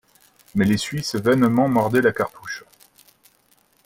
Mais les Suisses vainement mordaient la cartouche.